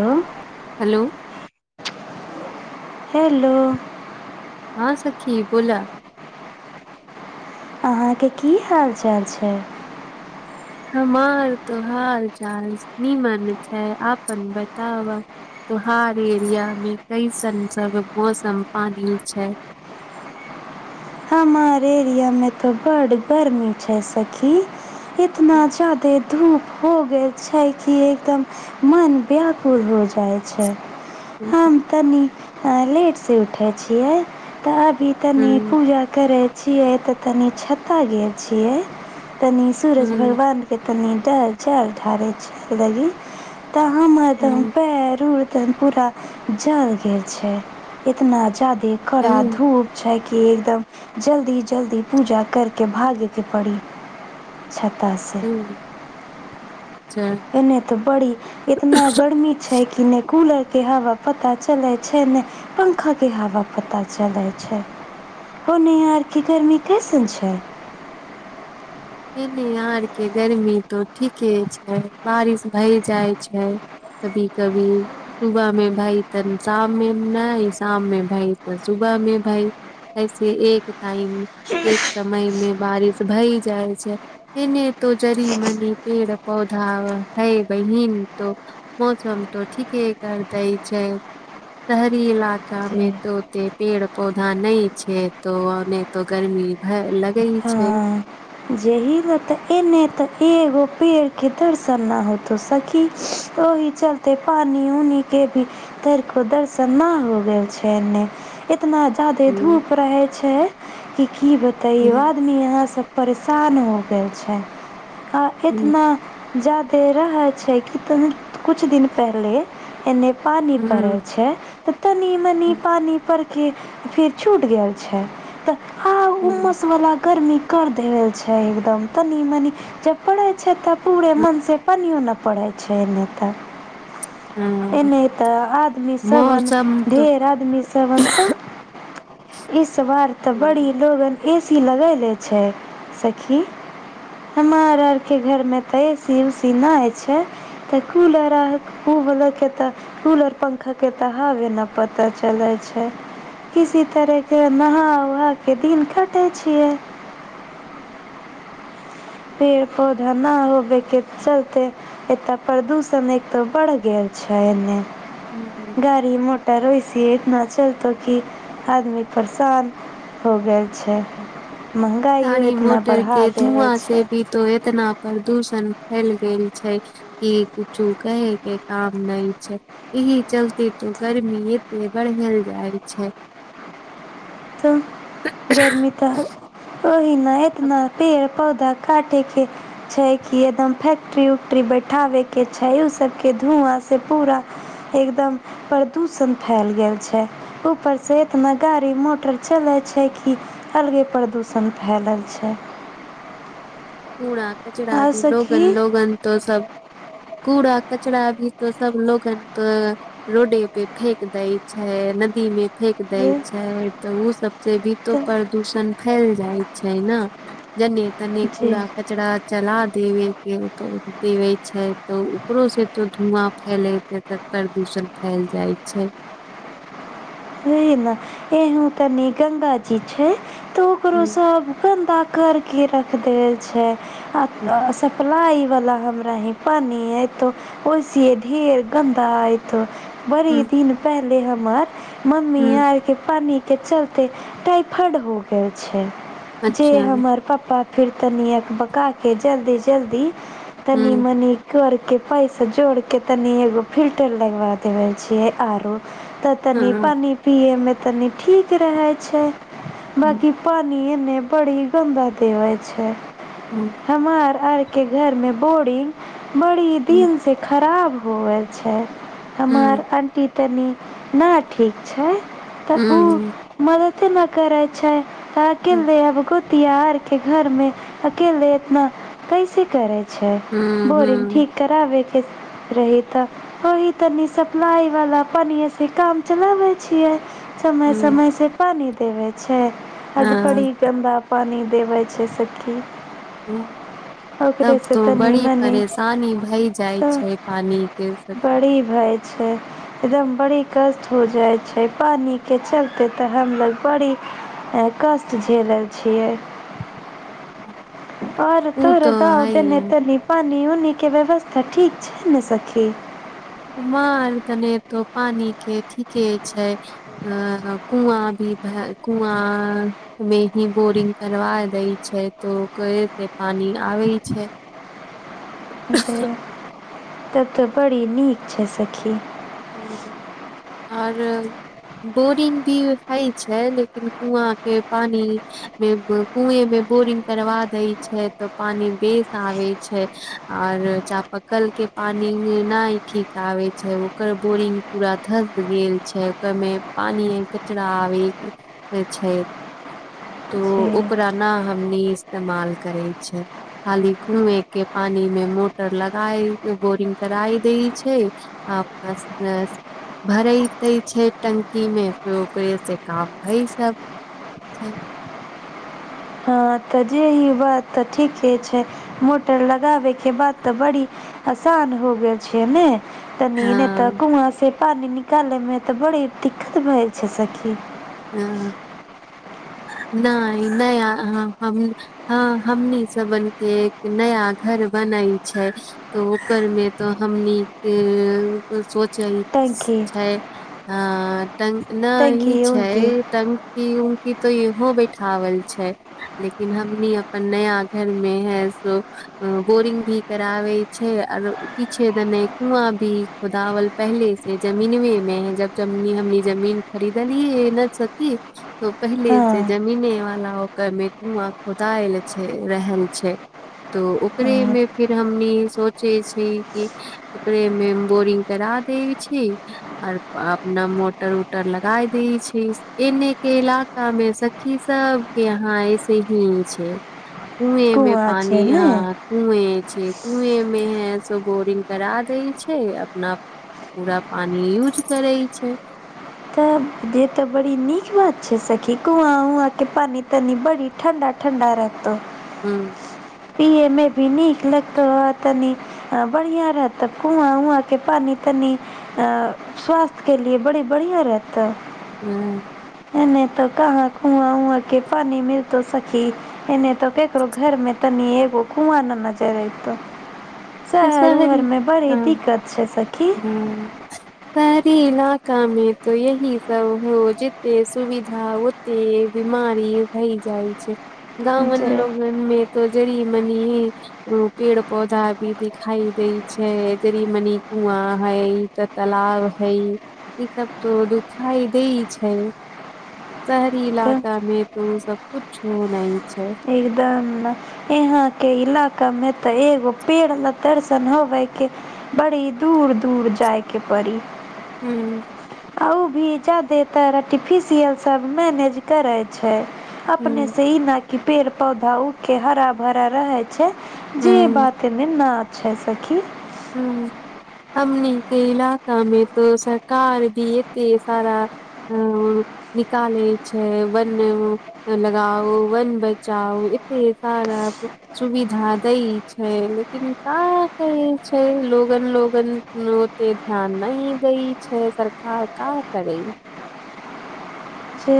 Hello. Hello. Hello. हँ, सखी बोलऽ अहाँकेँ की हाल चाल छै। हमार तऽ हाल चालसँ निमन छै, अपन बताब? तोहार एरियामे कइसन सभ मौसम पानी छै। हमार एरियामे तऽ बड गर्मी छै, सखी। इतना ह जादे धूप। हो गेल छै, कि एकदम मन व्याकुुल हो जाए ह हम तनि लेटसे उठै छियै तऽ अभी तनि पूजा करै छियै, तऽ तनि छ्ता ले छियै तनि। सूरज ह भगवानके तनि चल ठाढ़ै छै, लगी तऽ हमर तऽ ह पैर रौड पुरा जले गेल छै, इतना जादे कड़ा धूप छै कि एकदम जल्दी जल्दी पूजा करके भागेके पड़ी छत्ता सँ ह [unintelligible] ऐने तऽ बड़ी इतना गर्मी छै, कि नहि कूलरके हवा पता चलै छै, ने पंखा मके हवा पता चलै छै। अइने आरके गर्मी कैसन छै? एने यहाँ आरके गर्मी तो ठीके छै, बारिश भय जाय छै कभी कभी। सुबहमे भई तऽ शाममे नहि शाममे भइ तऽ सुबहमे भई ऐसे एक टाइम एक समयमे बारिश भई जाइ छै। एने तो जरी मनी पेड़ पौधा है, बहिन तो मौसम तऽ ठीके कर दै छै। शहरी इलका जे मे तो ओते पेड़ पौधा नई छै, तऽ ओ तो गर्मी भऽ लगै छै। जाहि लेल तऽ एने तऽ एगो पेड़के दर्शन नहि होतो, सखी, ओहि। चलते पानि उनी के भी धर को दर्शन न हो गेल छै ने एतना जादे ह धूप रहै छै कि की बतैयो आदमी अहाँ सब परेशान हो गेल छै आ ह एतना जादे रह छै कि तनि कुछ दिन पहिले एने पानि पड़ै हूँ छै तऽ तनी-मनी पानी परके फेर छूट गेल छै आ हूँ उमस वाला गर्मी कर द छै एकदम तनी-मनि जब पड़ै छै तऽ पूरे मनसे पनियो ने पड़ै छै एने त [inaudible] ऐने त आदमी सब न मौसम तो ढेर आदमी सबन त इस बार तऽ बड़ी हूँ लोगन एसी लगैले छै सखी हमार आरके घरमे तऽ एसी-उसी नइ छै तऽ कूलर रहा खूब [unintelligible] [unintelligible] के त कूलर पंखाके तऽ हावे नइ पता चलै छै किसी तरहके नहा-उहा के दिन कटै छियै पेड़ पौधा नहि होबेके चलते एतय प्रदूषण एक तऽ बढ़ गेल छै एने हूॅं, हूॅं गड़ी मोटर एसी इतना चलतौ की आदमी परेशान हो गेल छै, महगाइयो इतना बढ़ा दे वैसे भी तो एतना प्रदूषण फैल गेल छै ई कुछु कहै के काम नहि छै एहि चलते तो गर्मी एते बढ़ेल जाय छै त गर्मी तऽ ओहि नहि आ एतना पेड़ पौधा काटेके छै कि एकदम फैक्ट्री-उक्ट्री बैठाबे के छै ओ सबके धुआँ से पूरा एकदम प्रदूषण फैल गेल छै ऊपर से एतना गाड़ी मो टर चलै छै की अलगे प्रदूषण फैलल छै कूड़ा कचड़ा आर भी लोगन सखी लोगन तो सब कूड़ा कचरा भी तो सब लोगन तऽ रोडे पे फेेक दै छैै नदीमे फेेक दै जे छै तऽ ऊ सबसँ तो भी ते प्रदूषण फैल जाइ छै ने! जने तने जे कचड़ा चला देवे के त देवे छै तऽ ओकरो से तो धुआँ फैले जेत प्रदूषण फैल जाइ छै वही ना एहु तनी गंगा जी छै तऽ ओकरो हुँ सब गन्दा कर के रख देबै छै आ सप्लाई वाला हमरा ही पानि आयतो ओइसे ढेर गंदा आयतो बड़ी हुँ दिन पहले हमर मम्मी हुँ आर के पानी के चलते टाइफाइड हो गेल छै जे अच्छा हमर पप्पा फेर तनी अबकाके जल्दी जल्दी तनी हुँ मनी कर के पैसा जोड़ के तनि एगो फिल्टर लगवा देबे छियै आरो तनी हँ पानि पियैमे तनी ठीक रहै छै हुँ हुँ बाँकी पानि एने बड़ी गन्द देबै छै हूँ [inaudible] हमार आर के घर मे बोर्डिंग बड़ी हुँ दिन से खराब होबए छै हुँ हमर आंटी तनि ना ठीक छै तऽ हुँ उ मदते न करैत छै तऽ अकेले आब गो तिहार के घर मे अकेले एतना कैसे करे छै बोरिंग हुँ ठीक कराबेके रह त ओहि तनी सप्लाई वाला पनीयै काम चलाबै छियै समय हुँ समयसँ पानि देबै छै अग बड़ी गन्दा पानि देबै छै सखी हू तब ओकरे से तो त बड़ी निमन परेशानी भई जाय छै पानी के स रहै छै एकदम बड़ी कष्ट हो जाइ छै पानिके चलते तऽ हमलोग बड़ी कष्ट झेलल छियै ह [unintelligible] आओर त रह त दे ने तनी [unintelligible] पानि उनिके व्यवस्था ठीक छै ने सखी माल त नहि तो पानी के ठीके छै अ कुआँ भी भेल कुआॅ तमे ही बोरिंग करबा दै छै त कइ रीे पानि आबै छै [inaudible] अच्छे तब तऽ बड़ी नीक छै सखि ह आर [unintelligible] बोरिंग भी हइ छै लेकिन कुआँ के पानी मे कुएं मे बोरिंग करबा देै छै तऽ पानी बेस आबै छै और चाप पकल के पान नहि ठीक आ छै ओ ओकर बोरिंग पूरा धस गेल छै ओकर में पानी कचरा आबे के हो छै तऽ जे ओकरा ने हमनी इस्तेमाल करै छै खाली कुए के पानी मे मोटर लगाई बोरिंग कराई द छै बस बस भरै ते छै टंकी मे ओकरे से काम हई सब ठीक तऽ जे ही बात तऽ ठीके छै मोटर लगाबे के बात तऽ बड़ी आसान हो गेल छै नै तनि हँ ने तऽ कुआँ से पानी निकाले मे तऽ बड़ी दिक्कत भए छै सखी [unintelligible] ह नहि नहि हम हँ हमनी सबन के एक नया घर बनै छै त ओ करमे त हमनि कै सोची टंकी छै तन नहि टंकी-उंकी छै टंकी उंकी तो इहो बैठावल छै लेकिन हमनी अपन नया घर मे है सो अ बोरिंग भी कराबै छै आओर पीछे दने कुआ भी खुदाावल पहले से जमीनवे में है जब जनी हमनी जमीन खरीदल की नहि सति [unintelligible] त पहिले हाँ से जमीने वला ओकर मे कुआं खोदायल छै रहल छै तऽ अ ओकरे मे फिर हमनी सोचे छै कि ओकरे मे बोरिंग करा देै छै आर अपना मोटर उटर लगा छै एने के इलाका मे सखी सब के यहा ऐसे ही छै कुएमे कुआँ पानि छै नै। हँ कुए छै कुए मे हैं से बोरिंग करा दै छै अपना पूरा पानी यूज करै छै तऽ जे तऽ बड़ी नीक बात छै सखी कुआ उआ के पानी तनी बड़ी ठण्डा ठण्डा रहतौ हू पीएमे भी नीक लगतो ह तनी अ बढ़िया रहत कुआँ उआँ के पानी तनी अ स्वास्थ्य के लिये बड़ी बढ़ियाॅं रहतऽ हूँ [unintelligible] एने तो कहाँ कुआ-उआँ के पानी मिलतो सखी एने तऽ केकरो घरमे तनि एगो कुआँ न नजर एइतो शहर शहरी उहरमे बड़ी दिक्कत छै सखी हूॅं शहरी इलाकामे तो यही सब हो जिते सुविधा ओ ते बिमारी होइ जाइ छै गाँवन जे लोगनमे तो जरी मनी ही पेड़ पौधा भी दिखाइ दै छै जरी मनी कुआँ है तऽ तलाब हइ ई सब तो दुखाइ दे छै शहरी तो इलाकामे तो सब कुछ नहि छै एकदम यहाँके इलाकामे तऽ एगो पेड़ दरसन होबै के बड़ी दूर-दूर जायके पड़ी हूँ आ ओ भी जादेतर आर्टिफिशियल सब मैनेज करै छै अपने हूं से ई ने कि पेड़ पौधा उगके हरा भरा रहै छै जै हूं बात एने ना छै सखी हूॅं हमनीके इलाकामे तऽ सरकार भी एते सारा हॅं निकालै छै वने उ लगाओ वन बचाओ इते सारा सुविधा दै छै लेकिन का कही छै लोगन-लोगन ओते ध्यान नहि दै छै सरकार का करे? जे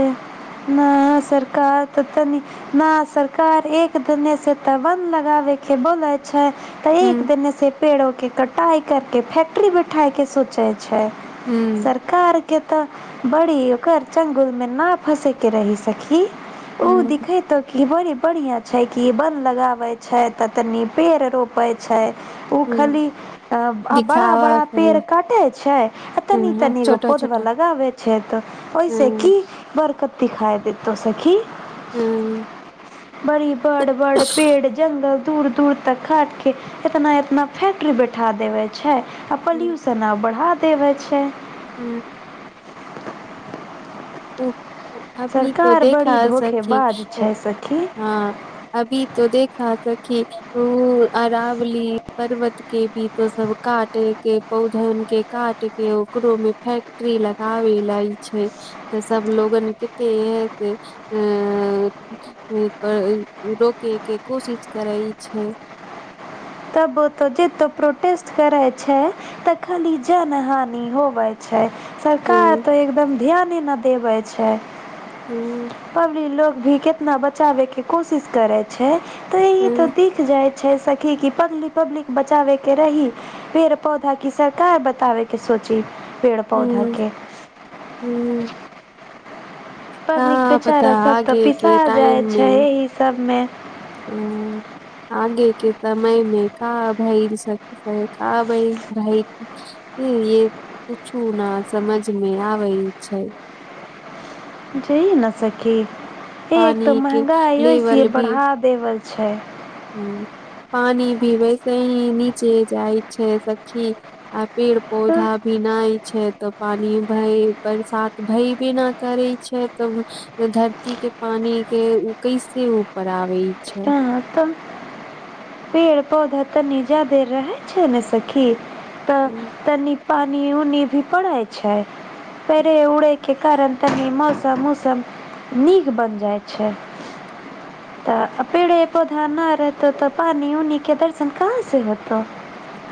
नया सरकार तऽ तनी न सरकार एक देने से तऽ वन लगाबे के बोले छै तऽ हूं एक दनेसे पेड़ोके कटाइ करके फैक्ट्री बैठाइके सोचै छै हूं सरकारके तऽ बड़ी ओकरा चंगुलमे ना फसेके रही सखी ओ हूं दिखे तऽ बड़ी बढ़िया छै की बन लगावै छै तऽ तनी पेड़ रोपै छै ओ हूं खाली दिखावा बड़ा-बड़ा छै पेड़ काटे छै आ तनि-तनि एगो छोटा पौधवा छोटा लगाबे छै तऽ ओहिसॅं हूं बरकत दिखाय देतौ सखी? हॅं बड़ी बड़-बड़ पेड़ जंगल दूर-दूर त काटके एतना-एतना फैक्ट्री बैठा देबै छै आ हूं पोल्यूशन और बढ़ा तेक हो छै [unintelligible] हँ ओ अभी तऽ सरकार देखा बड़ी सखी, धोखेबाज छै सखी। हॅं अभी तो देखा सखी ओ अरावली पर्वतके भी तो सब काटैके पौधनके काट ओकरोमे फैक्ट्री लगाबे लेल छै तऽ सब लोगन कते [unintelligible] दे ओ तऽ रोकैके कोशिश करै छै तब जेतो प्रोटेस्ट करै छै त ई जनहानि होबै छै सरकार हँ तो एकदम ध्यान ने देबै छै हँ पब्लिक लोग भी के अपना बचाबेके कोशिश करै छै तऽ एही तऽ हँ दिख जाए छै सखी की पब्लिक पब्लिक बचाबेके रही? पेड़ पौधा कि सरकार बताबेके सोची पेड़ पौधाके हूँ। पब्लिक पता बेचारा सभ त आगे पिसा के जाइ छै ई सभमे हू। आगेके समयमे का भइल सखी का भईल रहे। ई कुछू न समझमे आबे छै। जइए ने सखी एक तऽ पानी के महँगाई एसये बढ़ा देने छै। ह पानी भी वैसे ही नीचे जाए छै, सखी आब पेड़ तऽ पौधा। पिनाइ छै, तऽ पानि भई बरसात भई भीना करै छै, तऽ धरतीके पानीके उ कैसे ऊपर आबे छै। नहि तऽ। पेड़ पौधा तनी जादे रहै छै, ने सखी। त हूँ तनि पानि उनी भी पड़े छै, परे उड़ेके कारण तनी मौसम उसम निक बन जाइ छै। त पेड़े पौधा न रहतो तऽ पानि उनीके दर्शन कहाँ से होतो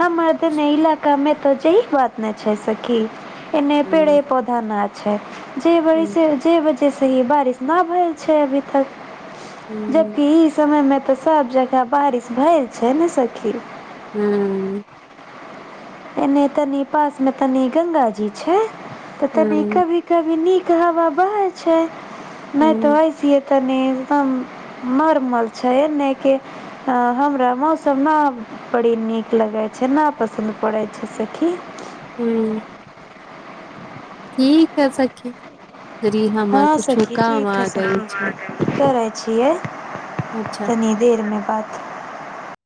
हमर धन्य इलाकामे तऽ जे ई बात नहि छै, सखी। एने पेड़ पौधा न, छै जे हूँ वैसे जे जे वजहसँ ही बारिश नहि भेल छै, अभी तक हू। इ समयमे त सभ जगह बारिश भेल छै, ने सखी हू। एने तनी पासमे तनी गंगा जी छै, तऽ तनी हूँ कभी कभी निक हवा बहै छै, नहि तऽ अइसिए तनी एकदम नॉर्मल छै, ऐनेके अ हमरा मौसम ना बड़ी निक लगे छै, न पसन्द पड़ै छै, सखी हूँ। ठीक है, सखी तनि हमर हां कुछु सखी, काम ठीक आ है गई सखी, छै। करै छै अच्छा तनि देरमे बात।